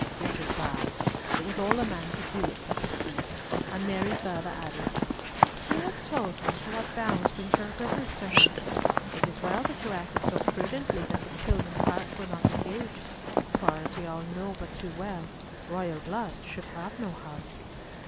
Richard bowed. It was all a man could do at such a speech, and Mary further added, "She has told me to what bounds went your goodness to her. It is well that you acted so prudently that the children's hearts were not engaged; for, as we all know but too well royal blood should have no heart."